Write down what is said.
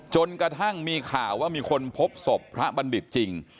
จนกระทั่งมีข่าวว่ามีคนพบศพพระบัณฑิตจริง